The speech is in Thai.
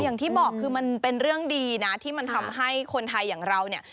อย่างที่บอกคือมันเป็นเรื่องดีนะที่มันทำให้คนไทยอย่างเราเนี่ย